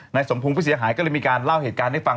สมพงษ์ผู้เสียหายก็เลยมีการเล่าเหตุการณ์ให้ฟัง